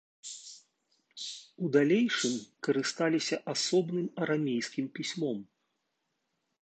У далейшым карысталіся асобным арамейскім пісьмом.